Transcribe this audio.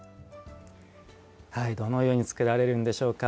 どのように作られるんでしょうか。